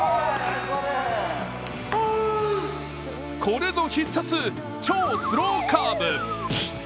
これぞ必殺・超スローカーブ。